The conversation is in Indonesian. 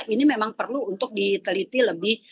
ini memang perlu untuk diteliti lebih